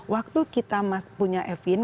waktu kita punya evin